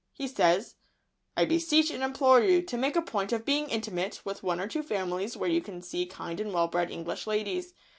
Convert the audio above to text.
] He says: "I beseech and implore you to make a point of being intimate with one or two families where you can see kind and well bred English ladies.